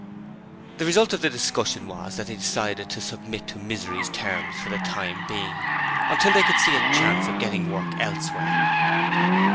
The result of the discussion was that they decided to submit to Misery's terms for the time being, until they could see a chance of getting work elsewhere.